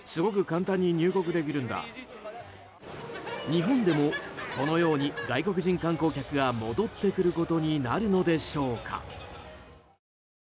日本でも、このように外国人観光客が戻ってくることになるのでしょうか。